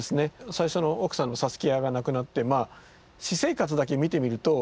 最初の奥さんのサスキアが亡くなって私生活だけ見てみるとまあ